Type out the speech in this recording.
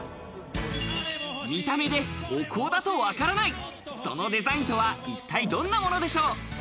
見た目でお香だとわからない、そのデザインとは、一体どんなものでしょう？